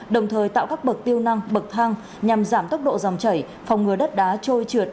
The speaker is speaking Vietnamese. đồng thời tạo các bậc tiêu năng bậc thang nhằm giảm tốc độ dòng chảy phòng ngừa đất đá trôi trượt